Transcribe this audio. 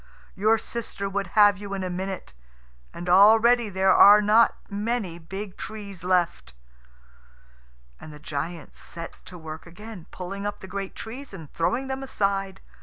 Your sister would have you in a minute. And already there are not many big trees left." And the giant set to work again, pulling up the great trees and throwing them aside.